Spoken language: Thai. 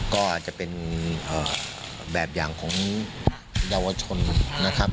ก็อาจจะเป็นแบบอย่างของเยาวชนนะครับ